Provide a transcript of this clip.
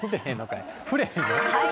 触れへんの？